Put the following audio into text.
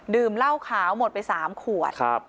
เหล้าขาวหมดไป๓ขวด